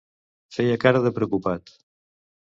Feia cara de preocupat.